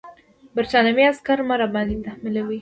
برټانوي عسکر مه راباندې تحمیلوه.